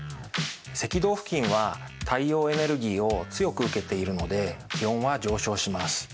赤道付近は太陽エネルギーを強く受けているので気温は上昇します。